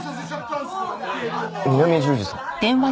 南十字さん。